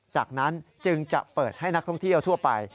จากนั้นจึงจะเปิดให้นักท่องเที่ยวทั่วไป